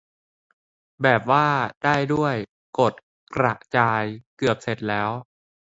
แบบว่า ได้ด้วย กด กระจาย เกือบเสร็จแล้ว